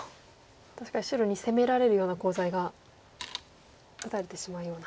確かに白に攻められるようなコウ材が打たれてしまうような。